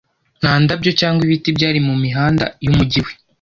nta ndabyo cyangwa ibiti byari mu mihanda y'umujyi we